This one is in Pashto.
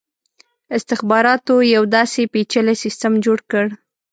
استخباراتو یو داسي پېچلی سسټم جوړ کړ.